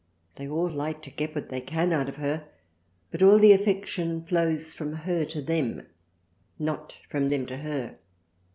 They all like to get what they can out of her ; but all the Affection flows from her to them, not from them to her.